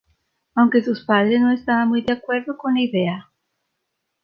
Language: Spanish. Aunque sus padres no estaban muy de acuerdo con la idea.